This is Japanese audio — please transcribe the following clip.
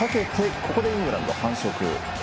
ここでイングランド、反則。